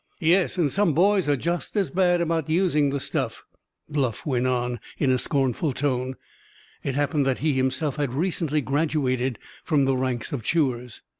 "Yes, and some boys are just as bad about using the stuff," Bluff went on, in a scornful tone. It happened that he himself had recently graduated from the ranks of chewers.